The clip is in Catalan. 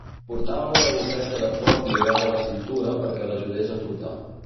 Portava una bufeta de porc lligada a la cintura perquè l'ajudés a flotar.